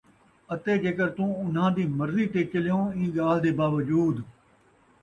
اَتے جیکر تُوں انھاں دِی مرضی تے چلیوں اِیں ڳالھ دے باوجود